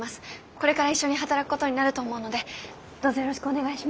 これから一緒に働くことになると思うのでどうぞよろしくお願いします。